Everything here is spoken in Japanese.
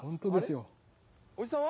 おじさんは？